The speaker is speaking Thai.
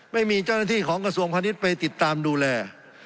ไม่มีเจ้าหน้าที่ของกระทรวงพาณิชย์ไปติดตามดูแล